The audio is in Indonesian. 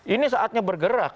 ini saatnya bergerak